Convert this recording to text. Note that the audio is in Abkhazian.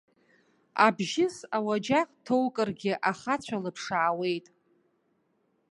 Абжьыс, ауаџьаҟ дҭоукыргьы, ахацәа лыԥшаауеит.